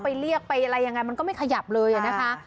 ไปเรียกไปอะไรยังไงมันก็ไม่ขยับเลยนะคะ